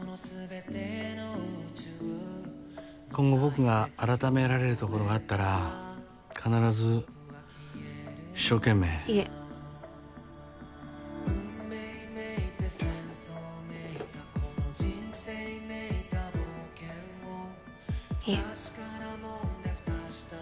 今後僕が改められるところがあったら必ず一生懸命いえいえ